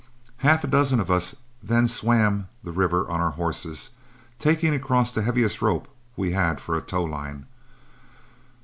Half a dozen of us then swam the river on our horses, taking across the heaviest rope we had for a tow line.